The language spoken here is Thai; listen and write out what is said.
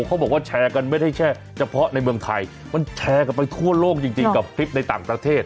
เขาบอกว่าแชร์กันไม่ได้แค่เฉพาะในเมืองไทยมันแชร์กันไปทั่วโลกจริงกับคลิปในต่างประเทศ